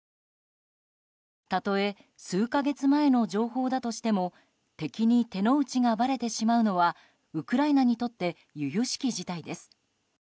たとえ数か月前の情報だとしても敵に手の内がばれてしまうのはウクライナにとって由々しき事態です。